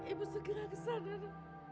ibu segera ke sana